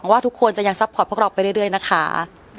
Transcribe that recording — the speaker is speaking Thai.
ว่าทุกคนจะยังซัพพอร์ตพวกเราไปเรื่อยนะคะ